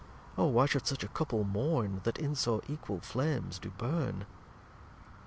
O why should such a Couple mourn, That in so equal Flames do burn!